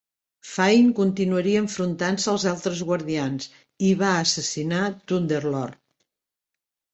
Fain continuaria enfrontant-se als altres guardians, i va assassinar Thunderlord.